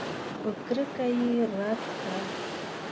په کرکه یې رد کړه.